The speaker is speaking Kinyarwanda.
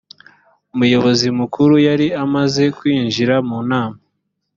umuyobozi mukuru yari amaze kwinjira mu nama